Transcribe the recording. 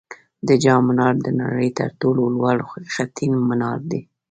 د جام منار د نړۍ تر ټولو لوړ خټین منار دی